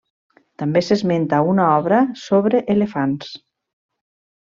També s'esmenta una obra sobre elefants.